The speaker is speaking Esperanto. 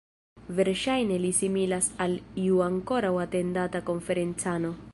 Verŝajne li similas al iu ankoraŭ atendata konferencano.